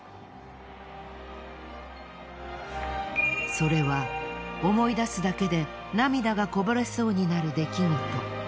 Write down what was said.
それは思い出すだけで涙がこぼれそうになる出来事。